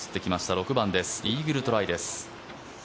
６番です、イーグルトライです。